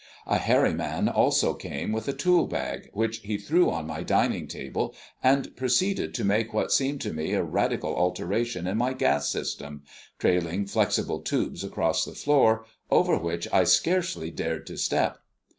A hairy man also came with a tool bag, which he threw on my dining table, and proceeded to make what seemed to me a radical alteration in my gas system, trailing flexible tubes across the floor, over which I scarcely dared to step.